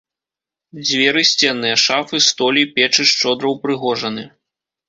Дзверы, сценныя шафы, столі, печы шчодра ўпрыгожаны.